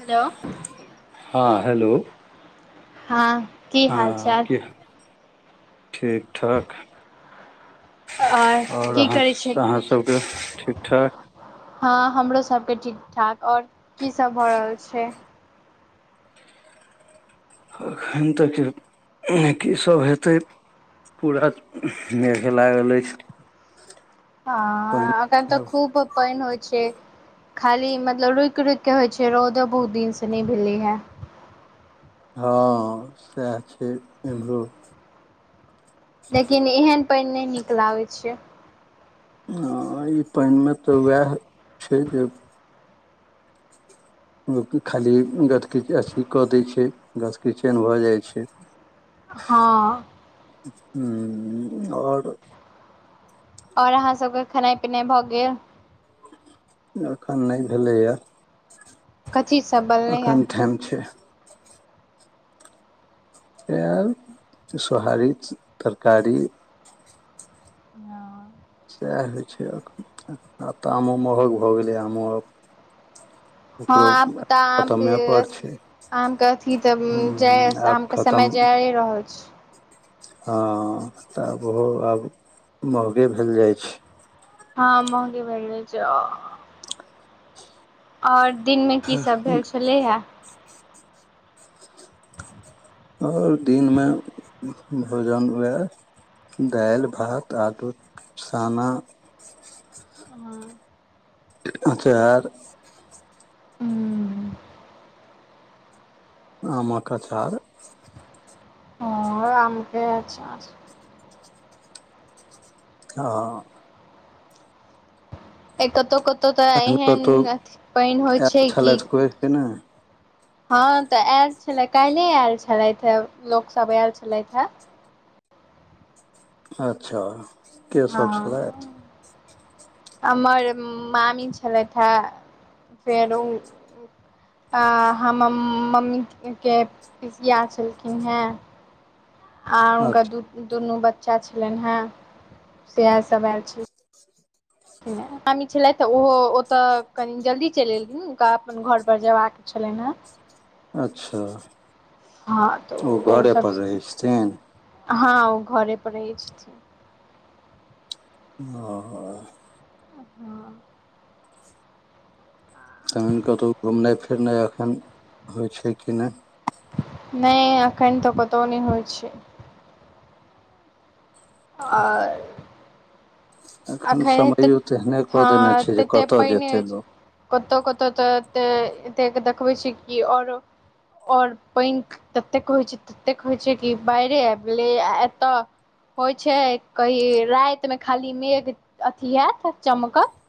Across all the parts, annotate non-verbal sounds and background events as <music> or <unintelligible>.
Hello हा hello हा ह कि ठीक ठाक आओर और की अहाँ करै सँ अहाँ सभके ठीक ठाक हा हमरो सभके ठीक ठाक और कि सभ भऽ रहल छए एखन तऽ कि सभ हेते पूरा मेघ लागल आई छै हा अखयन तऽ खुब पयन होय छय खाली मतलब रुकि रुकि कऽ होई छै रौदो बहुत दिनसँ नहि भेलै हैय हा सैह छय ईमहरो लेकिन एहन पइन नहि निक लागय छए। ह ई पानिमे तऽ उएह छै जे लोक खाली गदकच अथी कऽ दै छै गस किचेन भऽ जाई छै। हा हम और और अहाँ सभके खेनाई पिनाई भऽ गेल एखन नहि भेलैएा कथी सब बनलै हे एखन ठइम छै। ईहा सोहारी तरकारी। आ। से होई छै आब तऽ आमो महग भऽ गेलय आमो आ हा आब तऽ आम के खतमे पर छै आम के अथी तऽ हूं जाय ये आब आम तऽ समय जाए रहल छै हा तऽ ओहो आब महगे भेल जाय छै ह महगे भेलरल छै ओर दिनमे कि सभ छै भेल छलै हे ओर दिनमे भोजन उएह दाइल भात आलू के सना। अचार। आम कऽ अचार आम के अचार ह कतहु कतहु तऽ तहन एहन अथि पानि होई छै कि वे छै के ह तऽ आयल छले काल्ले आयल छलथि हे लोकसभ आयल छलथि हे अच्छा। के ह सब छलथि हमर मामी छलथि हे फेर ओ। हम मम्मी के पीसिया छलखिन हे आर हुनका दुनू बच्चा छलनि हे सेह सभ आयल छी मामी छलथि तऽ ओहो ओतऽ कनि जल्दी चलि एलकिन हुनका अपन घर पर जेयबा कऽ चलै न अच्छा हँ ओ घरे पर रहै छथिन ह ओ घरे पर रहै ह। ह तहन कतहु घुमनाई फिरनाई एखन होई छै कि नहि नहि एखन तऽ कतौ नहि होई छै आ एखन अखन तऽ समयो तेहने कऽ ह देने छै जे तऽ कतय पहिने जेतै हो छै। लोक कतहु कतहु तऽ एते देखबै छी कि आओरो ओर पान ततेक होई छै ततेक होई छै कि बारे आबि गेलै आ एतय होई छै कही रातिमे खाली मेघ अथी होत चमकत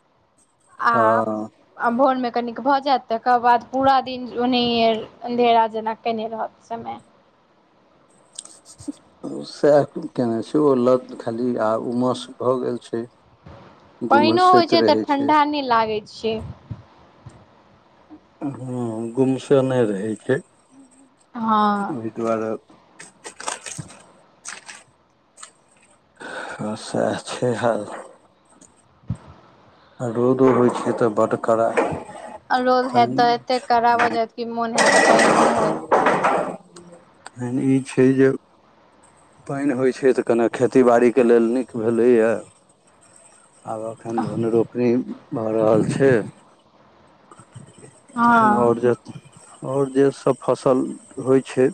आ। हँ आ भोरमे कनिक भऽ जायत तकर बाद पूरा दिन ओनहि अन्धेरा जेना कयने रहत समय। सएह केयने छै ओ लऽ खाली आ उमस भऽ गेल छै पाइनो होई गुमसैत छै तऽ रहै ठंडा नहि लागै छै ह गुमसेने रहै छै हँ ओहि दुआरे हँ सह छै हाल रौदो होई छै तऽ बड़ रोद हे तऽ एते कड़ा हो तहन जायत कऽ मोन हेत तऽ पानि नहि होय तखन ई छै ज पानि होइत छै तऽ कनि खेती बाड़ीके लेलऽ नीक भेलैएा आब अखन धन रोपनी भऽ रहल छै तहन हँ आओर जे आओर जे सब फसल होइ छै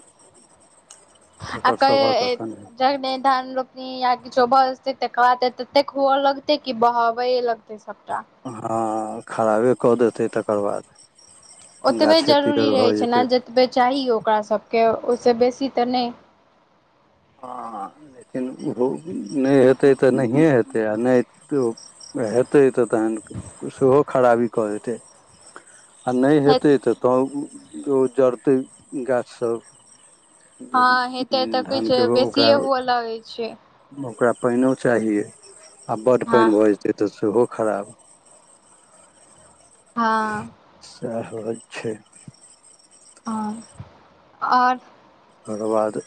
तकर आकै सभक एखन जगने धान रो या किछो भ जेतै तकर बाद ततेक हुव लगतेै कि बहबये लगतै सबटा हँ खराबे कऽ देतै तकर बाद ओतबे गाछे जरूरी पीयर भऽ रहै छै ने जेतै जतबे चाही ओकराबके ओइसँ बेसी तऽ नय हँ लेकिन ओहो नै हेतै तऽ नहिए हेतै आ नै तो हेतै तऽ तहन सेहो खराबी कऽ जेतै आ नै हेतै तऽ त उ जड़तै गाछ सब हँ हेतै तऽ धानके किछु रो ओकरा बेसिए हुअ लगै छियै ओकरा पैनो चाहीये आ बड हँ पैन भऽ जेतै तऽ सेहो खराब हां सह होय छैय हँ आओर तकर बाद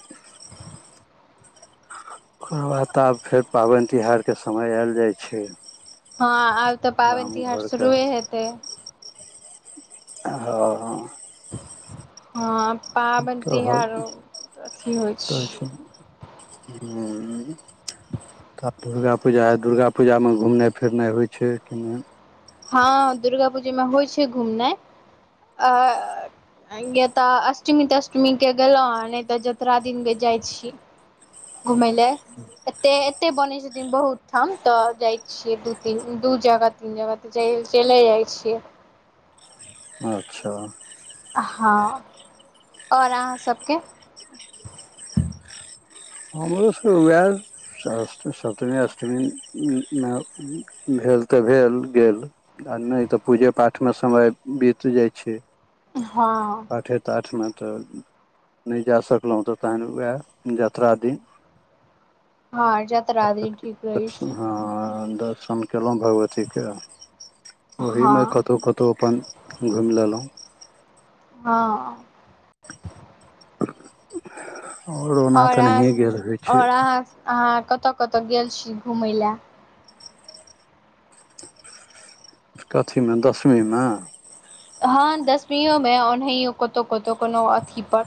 ओकर बाद तऽ आब फेर पाबैन तिहार के समय एल जाय छैय हँ आब तऽ पाबैन तिहार शुरुए हेतै हँ हँ हँ पाबैन तहन तिहार अथि होय तऽ छैय छै हूँ तऽ दुर्गा पूजा आय दुर्गा पूजामे घुमनाई- फिरनाइ होय छै कि नेैय हँ दुर्गा पूजा मे होय छै घुमनाय आ या तऽ अष्टमी -तष्टमी क गेलौ नै तऽ जतरा दिन क जाय छीयै घुमैय लय एते ए एते बनै छथिन बहुत ठम तऽ जाइ छियै दू तीन- दू जगह तीन जगह जैल- चैले जाय छियै अच्छा हँ आओर आहाँ सबके हमरो सब वएल सप्तमी अष्टमीम भेल तऽ भेल गेल आ नय तऽ पूजे पाठमे समय बीत जाइय छैय हँ हँ आठे ताठ मे तऽ नै जा सकलौ तऽ तहन उएह जतरा दिन हँ जतरा दिन ठीक रहै छै हँ दसम केलौ भगवती के ओहिमे हँ कतऔ कतऔ अपन घुम लेलौ हँ ओना आओर तऽ अहाँ नहिए स गेल होइ छै आओर अहाँ स कतय -कतय गेल छी घुमय लए कथी मे दसमी मे हँ दसमीयो मे ओनाहियो कतौ- कतौ कोनो अथी पर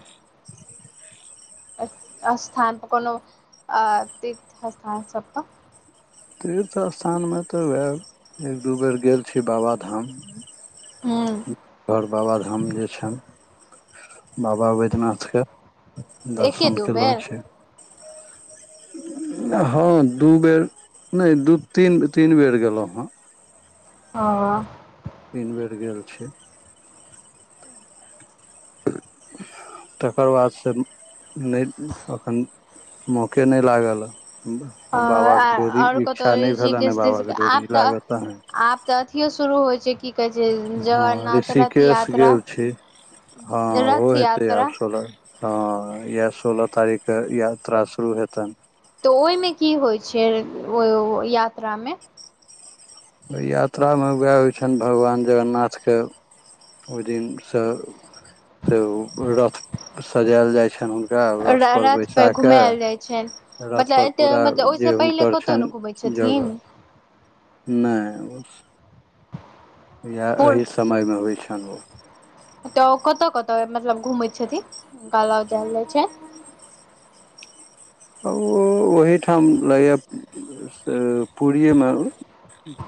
अस्थान पर कोनो आ तीर्थ अस्थान सब पर तीर्थ अस्थान मे तऽ वएह एक -दू बेर गेल छी बाबाधाम हूँ घर बाबाधाम जे छैन बाबा बैद्यनाथ के एके दर्शन दू केलौ बेर छे हँ दू बेर नै दु- तीन -तीन तीन बेर गेलौ हँ हँ तीन बेर गेल छै <inaudible> तकर बाद से नैय एखन मौके नैय लागलए बाबा के डोरी आओर कतहु इच्छा नैय भेलैन हाँ ऋषिकेश बाबाके तिर्षिकेश डोरी आब तऽ लागत तहन आब तऽ अथियो शुरू होय छैय हँ ऋषिकेश यात्रा गेल छी हँ ओहो रथ हेतै यात्रा आब सोलर हँ इएह सोलह तारीक क यात्रा शुरू हेतनि तऽ ओय मे की होय छैय ओ यात्रा मे ओय यात्रा मे उएह होय छैय भगवान जगरन्नाथके ओय दीन स -से रथ सजाएल जैइ छैन हुन रा रथपर रथ बैसा पर घुमायल जाइ छनि कऽ मतलब रथपर एते पुरा मतलब जे ओहिसँ पहिले हुनकर कतहु नहि घुमै छनि जगह छथिन नै ओस यहए पूर एहि समय मे होइ छनि ओ तऽ ओ कतऽ कतऽ मतलब घूमै छथिन हूनका ल जायलजाय छैन आ ओहीठाम लैए पूरिये मे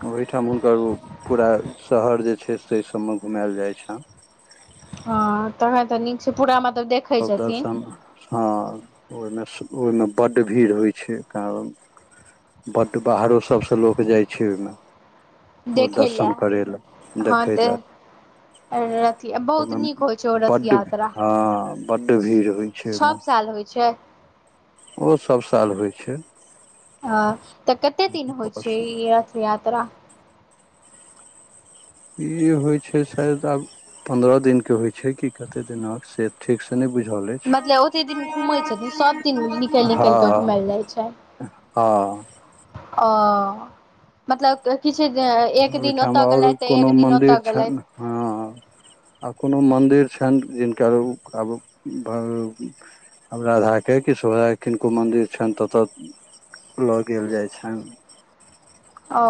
ओहिठाम हुनकर पूरा शहर जे छै से सबमे घुमाएल जाइ छनि हँ तखन तऽ नीक छै पूरा मतलब देख सब दर्शन हँ ओइमे ओइमे बड्ड भीड़ होइ छै कारण बड बाहरो सबसँ लोक जाइ छै ओइमे देखै लए लए हँ देखै दे लए आओर अथी बहुत नीक होइ छै ओ ओहिमे रथ बड्ड यात्रा हँ बड्ड भीड़ होइ छै ओहिमे सब साल होइ छाय ओ सब साल होइ छै अ तऽ कते दिन होइ छै ई रथ यात्रा ई होइ छै शायद आब पन्द्रह दिनके होइ छै कि कतेक दिन आब से ठीक स नै बुझल यै मतलब ओते दिन घूमै छथिन सब दिन निकल निकल कऽ हँ घूमएल जाइ छैन हँ अ मतलब किछु एक दिन ओहिठाम ओतय आओर गेलथि तऽ कोनो एक दिन ओतऽ मन्दिर छनि गेलथि हँ आ कोनो मन्दिर छनि जिनका ऊ आब भ हम राधाके किशोरी के किनको मन्दिर छनि तऽतऽ लऽ गेल जाइ छनि अ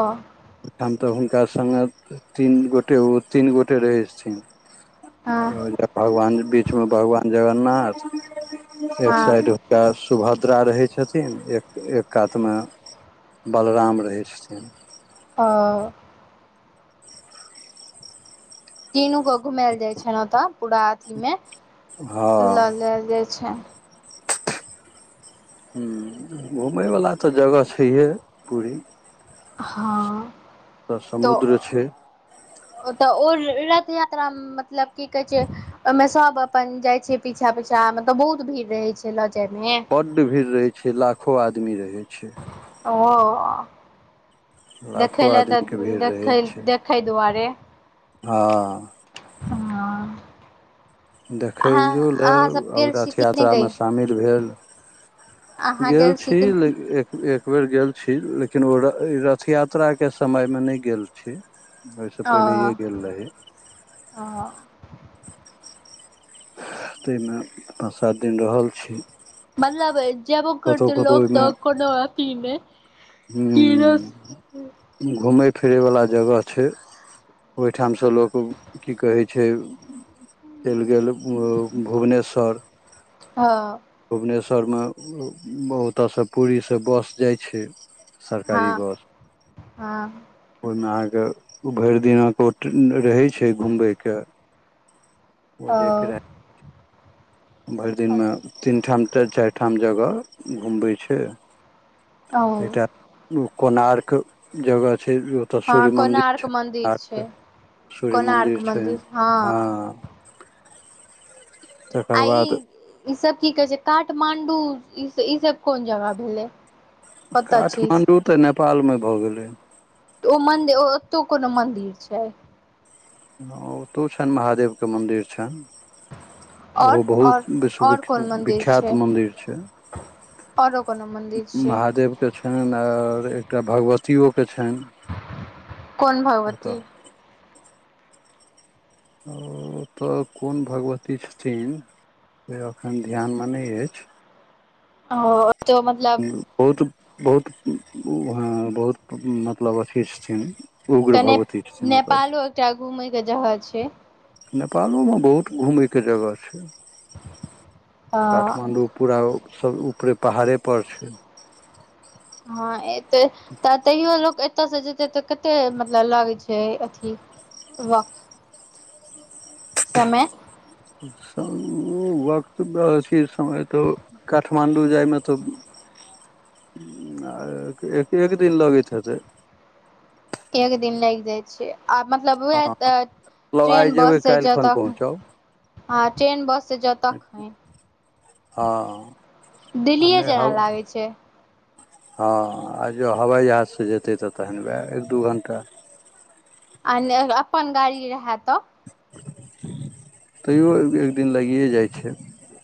ठाम तऽ हुनका संगे तीन गोटे ओ तीन गोटे रहै छथिन हँ भगवान बीच मे भगवान जगन्नाथ एक हँ साइड <unintelligible> सुभद्रा रहै छथिन एक एक कातमे बलराम रहै छथिन हऽ तीनू कऽ घुमैल जाय छनि ओतऽ पूरा अथी में <inaudible> लऽ हँ लेक जाय छन हूँ घुमैयवला तऽ जगह छैहे पूरी हँ पुरा समुद्र छै ओ तऽ ओ रथ यात्रा में मतलब की कहै छै ओइमे सभ अपन जाइ छै पीछा पीछा मतलब बहुत भीड़ रहै छै लऽ जायमे बड भीड़ रहै छै लाखो आदमी रहै छै ओ <inaudible> लाखो देखै लए आदमी तऽ के भीड़ देख रहै छै देखै दुआरे हँ हँ अहाँ देखैयो लए अहाँ सब और गेल छी रथ कि नहि यात्रा में कहियो शामिल भेल <inaudible> गेल छी लेकिन एक बेर गेल छी लेकिन ओ रथ यात्राके समयमे नै गेल छी ओइ स पहिले यै गेल रही हं <unintelligible> तै में पाँच सात दिन रहल छी मतलब जेवो करत कतहु कतहु लोक तऽ कोनो अथी नै <unintelligible> घुमै फिरय वला जगह छै ओहिठामसँ लोक की कहै छै चैल गेल भुवनेश्वर हँ भुवनेश्वरमे ओतय स पूरी स बस जाइ छै सरकारी हँ बस हँ ओइमें अहाँ कऽ भैर दिन ओ रहै छै घुमबैक ओ जेकरा भैर दिनमे तीन ठाम चाइर ठाम जगह घूमबै छै ओ <inaudible> एकटा कोर्णाक जगह छै तऽ हँ सूर्य मन्दिर कोणार्क छै मन्दिर <unintelligible> सूर्य मन्दिर छै हँ तकर आ ई बाद ई सब की कहे छै काठमांडू ई सब कोन जगह भेले काठमाण्डू तऽ नेपाल में भऽ गेलै ओ मन्दिर ओतौ कोनो मंदिर छै हँ ओतौ छन महादेव केँ मन्दिर छैन आओर ओहो बहुत आओर विश्ववि आओर विख्यात मन्दिर छै औरो कोनो मन्दिर छै महादेव केँ छनि और एकटा भगवतियओे छैन कोनो भगवती ओ तऽ कोन भगवती छथिन <inaudible> से एखन ध्यान में नै अछि <unintelligible> मतलब <unintelligible> तऽ ने भगवती छथिन ओतऽ नेपालो एकटा घूमे कऽ जगह छै नेपालोमे बहुत घूमय कऽ जगह छै अ <inaudible> काठमाण्डू पूरा ओ सब ऊपरे पहाड़ेपर छै <unintelligible> हँ एतय तऽ तयौ लोक एत ओतऽ से जेते तऽ कते मतलब लागै छै अथी वक्त समय ओ वक्त तऽ अथी समय तऽ काठमाण्डू जायमे तऽ एक एक दिन लगैत हेतै एक दिन लागि जाइ छै आ मतलब हँ उएह तऽ मतलब आइ ट्रेन जेबै बस से काल्हि जाउ खन तऽ पहुँचब हँ ट्रेन बस से जाओ तऽ हँ आ दिल्लीए नहि जेना हब लागै छै हँ आ जँ हवाइ जहाजसँ जेतै तऽ तहन वएह एक दू घण्टा आ नै अपन गाड़ी रहे तऽ तैयो एक दिन लागियए जाइ छै